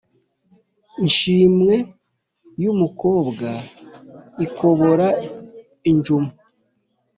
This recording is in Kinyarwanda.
Nshimwe y’umukobwa ikobora injuma